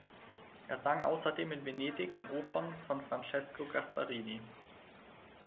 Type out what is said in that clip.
Er sang außerdem in Venedig in Opern von Francesco Gasparini.